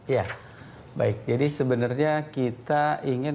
ya baik jadi sebenarnya kita ingin